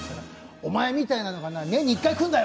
お前みたいのがな年に１回来るんだよ！